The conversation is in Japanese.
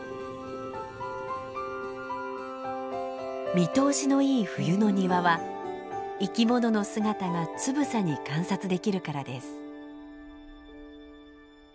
見通しのいい冬の庭は生き物の姿がつぶさに観察できるからです。